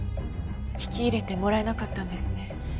聞き入れてもらえなかったんですね。